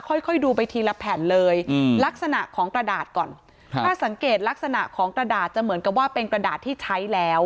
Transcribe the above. ค่อยค่อยดูไปทีละแผ่นเลยอืมลักษณะของกระดาษก่อนถ้าสังเกตลักษณะของกระดาษจะเหมือนกับว่าเป็นกระดาษที่ใช้แล้ว